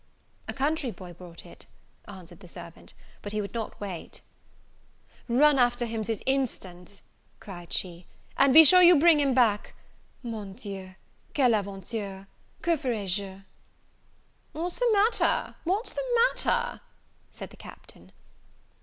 "A country boy brought it," answered the servant," but he would not wait." "Run after him this instant!" cried she, "and be sure you bring him back. Mon Dieu! quelle aventure! que feraije?" "What's the matter? what's the matter?" said the Captain.